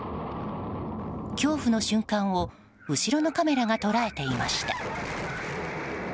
恐怖の瞬間を後ろのカメラが捉えていました。